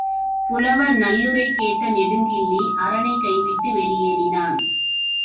புலவர் நல்லுரை கேட்ட நெடுங்கிள்ளி, அரணைக் கைவிட்டு வெளியேறினான்.